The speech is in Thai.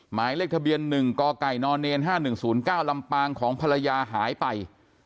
หมายเลขทะเบียน๑กกน๕๑๐๙ลำปางของภรรยาหายไป